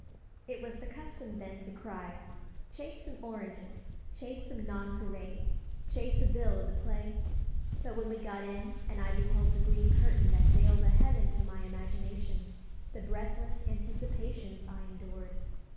"It was the custom then to cry, ''Chase some oranges, 'chase some nonpareils, 'chase a bill of the play?' But when we got in, and I beheld the green curtain that veiled a heaven to my imagination, the breathless anticipations I endured!